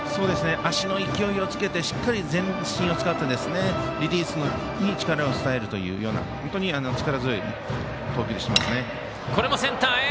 足の勢いをつけてしっかり全身を使ってリリースに力を伝えるという本当に力強い投球をしますね。